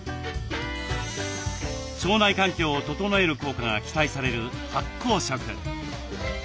腸内環境を整える効果が期待される発酵食。